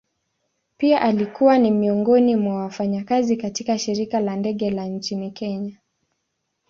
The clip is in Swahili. Pia alikuwa ni miongoni mwa wafanyakazi katika shirika la ndege la nchini kenya.